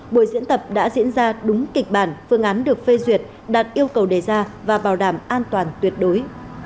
buổi diễn tập đã diễn ra đúng kịch bản phương án được phê duyệt đạt yêu cầu đề ra và bảo đảm an toàn tuyệt đối